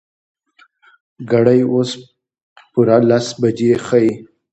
ګړۍ اوس پوره يولس بجې ښيي.